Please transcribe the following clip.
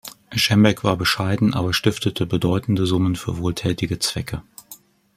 Szembek war bescheiden aber stiftete bedeutende Summen für wohltätige Zwecke.